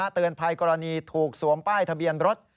เตือนภัยกรณีถูกสวมป้ายทะเบียนรถ